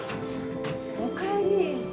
おかえり。